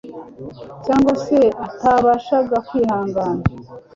cyangwa se atabashaga kwihangana